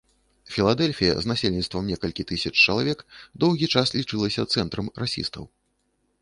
Філадэльфія з насельніцтвам некалькі тысяч чалавек доўгі час лічылася цэнтрам расістаў.